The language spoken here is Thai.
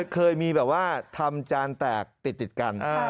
เคยมีแบบว่าทำจานแตกติดกัน